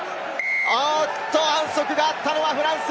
反則があったのはフランス！